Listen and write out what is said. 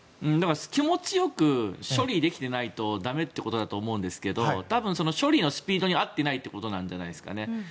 気持ちよく処理できていないと駄目ってことだと思うんですけど多分、処理のスピードに合っていないってことなんじゃないですかね。